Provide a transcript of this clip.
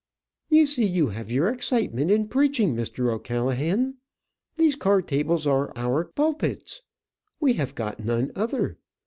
"You see you have your excitement in preaching, Mr. O'Callaghan. These card tables are our pulpits; we have got none other.